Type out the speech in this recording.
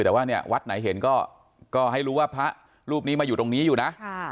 แต่ว่าเนี่ยวัดไหนเห็นก็ให้รู้ว่าพระรูปนี้มาอยู่ตรงนี้อยู่นะ